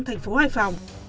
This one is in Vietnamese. thành phố hải phòng